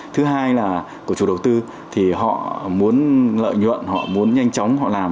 thứ hai là của chủ đầu tư thì họ muốn lợi nhuận họ muốn nhanh chóng họ làm